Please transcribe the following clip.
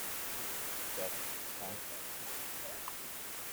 Quatre, cinq, six.